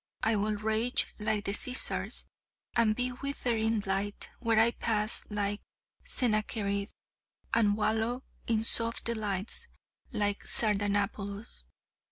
I will rage like the Caesars, and be a withering blight where I pass like Sennacherib, and wallow in soft delights like Sardanapalus.